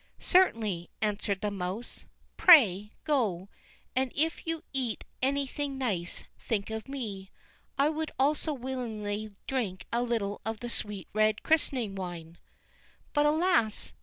"Certainly," answered the mouse; "pray, go; and if you eat anything nice, think of me; I would also willingly drink a little of the sweet red christening wine." But, alas!